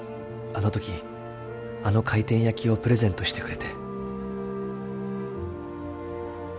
あの時あの回転焼きをプレゼントしてくれて。